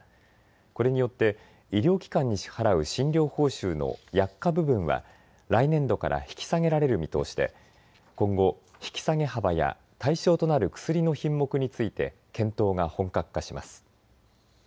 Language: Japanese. これによって医療機関に支払う診療報酬の薬価部分は来年度から引き下げられる見通しで今後、引き下げ幅や対象となる薬の品目について検討が本格化します。